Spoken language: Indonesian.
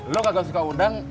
lo kagak suka udang